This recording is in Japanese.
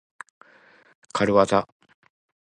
かるわざ。